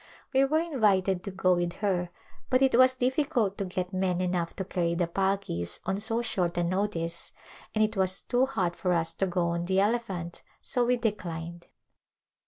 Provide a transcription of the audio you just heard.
We were invited to go with her but it was difficult to get men enough to carry the palkis on so short a notice and it was too hot for us to go on the elephant so we declined.